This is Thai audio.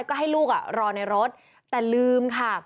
ก็ให้ลูกรอในรถแต่ลืมค่ะ